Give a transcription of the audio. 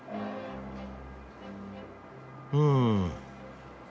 うん。